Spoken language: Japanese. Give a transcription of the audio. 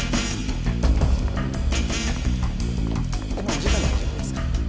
お時間大丈夫ですか？